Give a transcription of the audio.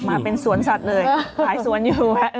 มาเป็นสวนสัตว์เลยอ่าเออไปอ่ะมีรอยอยู่นะฮะเฮ้อ